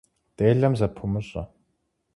Делэм зэпумыщӀэ.